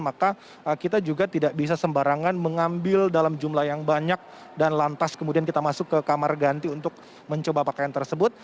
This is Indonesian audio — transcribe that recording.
maka kita juga tidak bisa sembarangan mengambil dalam jumlah yang banyak dan lantas kemudian kita masuk ke kamar ganti untuk mencoba pakaian tersebut